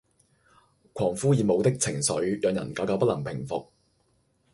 狂呼熱舞的情緒讓人久久不能平伏